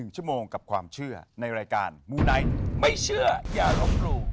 ๑ชั่วโมงกับความเชื่อในรายการมูไนท์ไม่เชื่ออย่าลบหลู่